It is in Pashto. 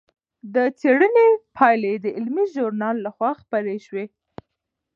د څېړنې پایلې د علمي ژورنال لخوا خپرې شوې.